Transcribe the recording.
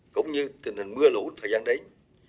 cũng như tình hình mưa lũ thời gian đấy